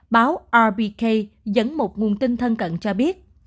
báo rbk dẫn một nguồn tin thân cận cho biết